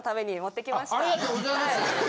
ありがとうございます。